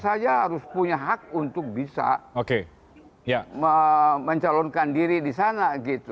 dan siapa saja yang harus punya hak untuk bisa mencalonkan diri di sana